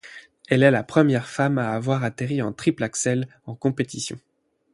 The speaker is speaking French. Elle est la première femme à avoir atterri un triple Axel en compétition.